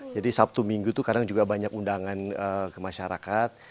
jadi sabtu minggu itu kadang juga banyak undangan ke masyarakat